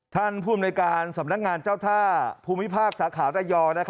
ท่านผู้อำนวยการสำนักงานเจ้าท่าภูมิภาคสาขาระยอง